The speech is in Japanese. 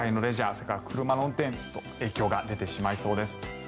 それから車の運転影響が出てしまいそうです。